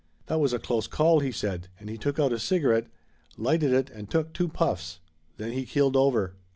'That was a close call,' he said, and he took out a cigarette, lighted it and took two puffs. Then he keeled over."